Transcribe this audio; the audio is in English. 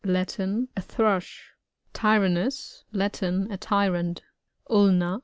— Latin. A Thrush. TYRANNus.^Latin. A tyrant Ulna.